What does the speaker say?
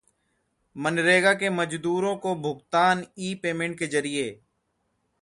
मनरेगा के मजदूरों को भुगतान ई-पेमेंट के जरिए